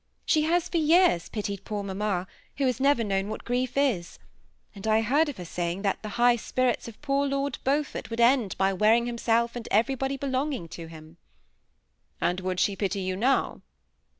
She has for years pitied poor mamma, who has never known what grief is ; and I heard of her saying that the high spirits of poor Lord Beaufort would end by wearing out himself and every body belonging to him." And would she pity you now